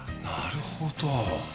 なるほど。